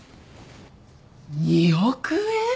２億円！？